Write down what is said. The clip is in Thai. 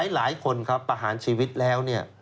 หลายคนครับประหารชีวิตแล้วเนี่ย